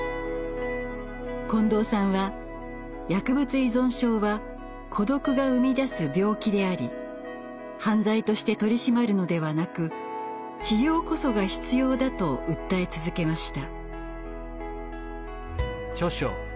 近藤さんは薬物依存症は孤独が生み出す病気であり犯罪として取り締まるのではなく治療こそが必要だと訴え続けました。